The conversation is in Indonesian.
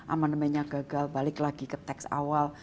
amendementnya gagal balik lagi ke teks awal